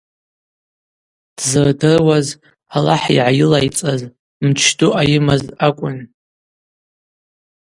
Дзырдыруаз Алахӏ йгӏайылайцӏаз мчду ъайымаз акӏвын.